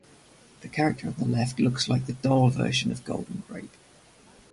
The character on the left looks like the doll version of Goldengrape.